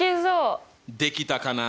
できたかな？